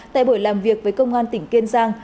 tại buổi làm việc với công an tỉnh kiên giang